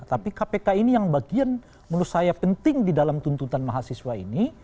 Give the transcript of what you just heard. tapi kpk ini yang bagian menurut saya penting di dalam tuntutan mahasiswa ini